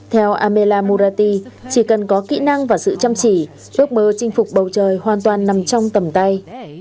theo amela murati chỉ cần có kỹ năng và sự chăm chỉ ước mơ chinh phục bầu trời hoàn toàn nằm trong tầm tay